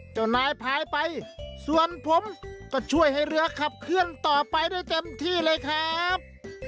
เจ้านายพายไปส่วนผมก็ช่วยให้เรือขับเคลื่อนต่อไปได้เต็มที่เลยครับ